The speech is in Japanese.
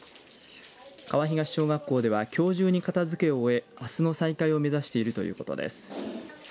川東小学校ではきょう中に片づけを終えあすの再開を目指しているということです。